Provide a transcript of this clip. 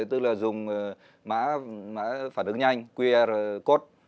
tức là dùng mã phản ứng nhanh qr code